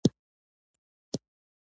د بامیان په پنجاب کې د څه شي نښې دي؟